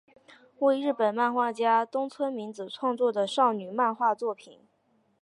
为日本漫画家东村明子创作的少女漫画作品。